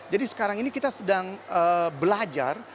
jadi sekarang ini kita sedang belajar